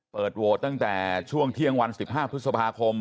เปิดโหวตตั้งแต่ช่วงเที่ยงวัน๑๕พฤษภาคม